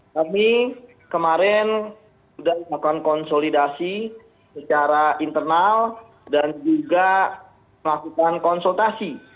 kami kemarin sudah melakukan konsolidasi secara internal dan juga melakukan konsultasi